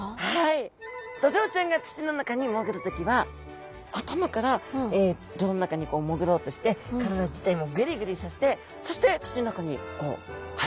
ドジョウちゃんが土の中に潜る時は頭から泥の中に潜ろうとして体自体もぐりぐりさせてそして土の中にこう入っていきます。